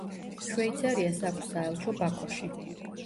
შვეიცარიას აქვს საელჩო ბაქოში.